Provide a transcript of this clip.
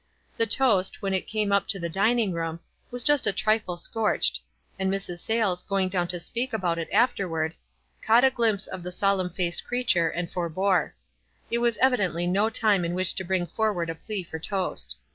The toast, when it came up to the dining room, Was just a trifle scorched, and Mrs. Sayles, going down to speak about it afterward, caught a glimpse of the solemn faced creature, and fore bore. This was evidently no time in which to bring forward a plea for toast.